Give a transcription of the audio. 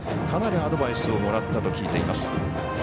かなりアドバイスをもらったと聞いています。